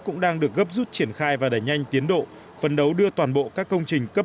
cũng đang được gấp rút triển khai và đẩy nhanh tiến độ phấn đấu đưa toàn bộ các công trình cấp